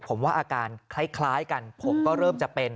ผมว่าอาการคล้ายกันผมก็เริ่มจะเป็น